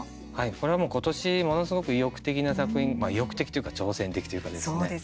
これはもう今年ものすごく意欲的な作品意欲的というか挑戦的というかですね。